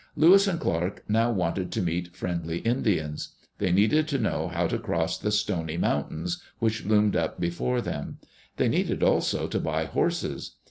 Lewis and Clark now wanted to meet friendly Indians. They needed to know how to cross the *' Stony Mountains " which loomed up before them. They needed also to buy horses.